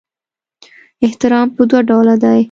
احترام په دوه ډوله دی.